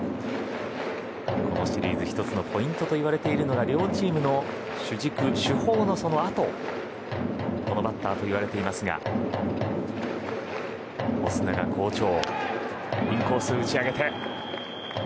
日本シリーズの１つのポイントといわれるのが両チームの主軸、主砲のそのあとこのバッターといわれていますがオスナが好調。